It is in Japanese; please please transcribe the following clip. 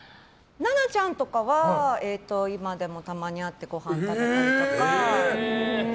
奈々ちゃんとかは今でもたまに会ってごはん食べたりとか。